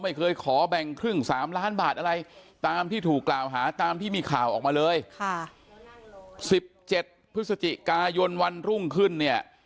ไม่เคยขอแบ่งครึ่ง๓ล้านบาทอะไรตามที่ถูกกล่าวหาตามที่มีข่าวออกมาเลยค่ะ๑๗พฤศจิกายนวันรุ่งขึ้นเนี่ย